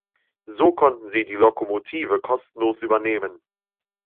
So konnten sie die Lokomotive kostenlos übernehmen.